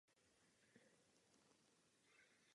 Z původní budovy se zachovaly vnější sloupy a okna.